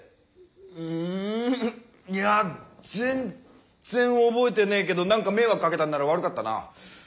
ううんいやぜんっぜん覚えてねーけどなんか迷惑かけたんなら悪かったな。